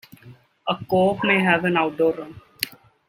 A coop may have an outdoor run.